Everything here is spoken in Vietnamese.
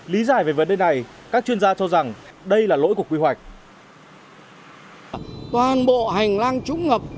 lý giải về vấn đề này các chuyên gia cho rằng đây là lỗi của quy hoạch